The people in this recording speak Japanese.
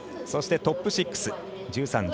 そして、トップ６。